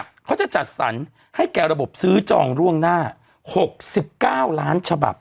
เขาจะจัดสรรให้แก่ระบบซื้อจองร่วงหน้าหกสิบเก้าร้านฉบับ